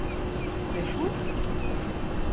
D acu-t?